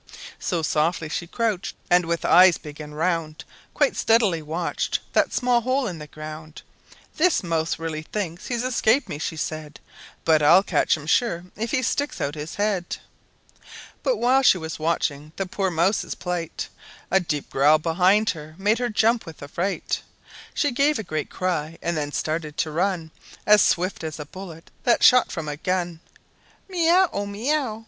So, softly she crouched, and with eyes big and round Quite steadily watched that small hole in the ground. "This mouse really thinks he's escaped me," she said, "But I'll catch him sure if he sticks out his head!" But while she was watching the poor mouse's plight, A deep growl behind made her jump with affright; She gave a great cry, and then started to run As swift as a bullet that's shot from a gun! "Meow! Oh, meow!"